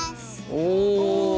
お。